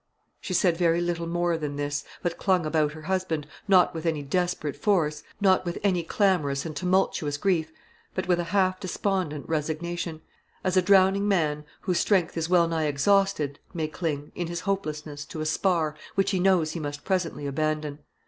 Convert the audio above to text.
She said very little more than this, but clung about her husband, not with any desperate force, not with any clamorous and tumultuous grief, but with a half despondent resignation; as a drowning man, whose strength is well nigh exhausted, may cling, in his hopelessness, to a spar, which he knows he must presently abandon.